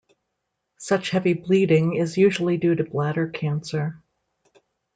Such heavy bleeding is usually due to bladder cancer.